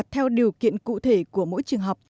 theo điều kiện cụ thể của mỗi trường học